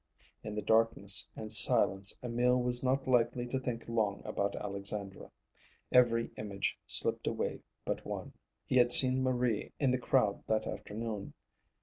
In the darkness and silence Emil was not likely to think long about Alexandra. Every image slipped away but one. He had seen Marie in the crowd that afternoon.